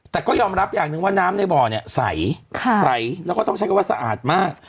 แต่ก็ยอมรับอย่างหนึ่งว่าน้ำในบ่อเนี่ยใสใสแล้วก็ต้องใช้คำว่าสะอาดมาก